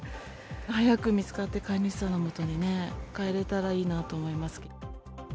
早く見つかって、飼い主さんのもとに帰れたらいいなと思いますけど。